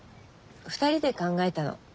２人で考えたの。